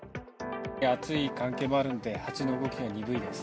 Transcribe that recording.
暑い関係もあるんで、ハチの動きは鈍いです。